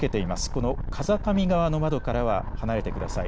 この風上側の窓からは離れてください。